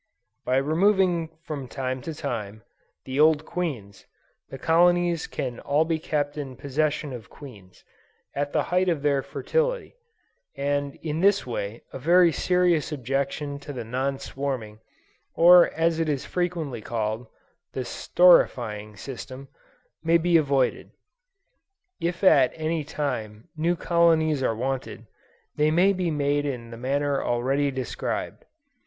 By removing from time to time, the old queens, the colonies can all be kept in possession of queens, at the height of their fertility, and in this way a very serious objection to the non swarming, or as it is frequently called, the storifying system, may be avoided. If at any time, new colonies are wanted, they may be made in the manner already described.